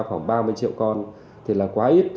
khoảng ba mươi triệu con thì là quá ít